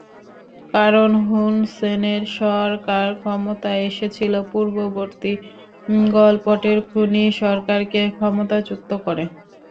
কারণ, হুনসেনের সরকার ক্ষমতায় এসেছিল পূর্ববর্তী পলপটের খুনি সরকারকে ক্ষমতাচ্যুত করে।